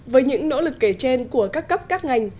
với những nỗ lực kể trên của các cấp các ngành